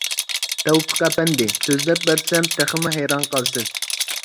تەۋپىق ئەپەندى، سۆزلەپ بەرسەم تېخىمۇ ھەيران قالىسىز.